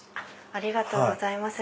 ありがとうございます。